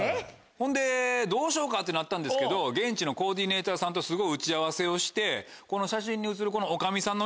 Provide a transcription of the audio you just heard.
ほんでどうしようかってなったんですけど現地のコーディネーターさんとすごい打ち合わせをしてこの写真に写る女将さんの。